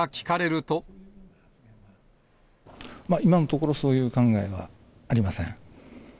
今のところ、そういう考えはありません。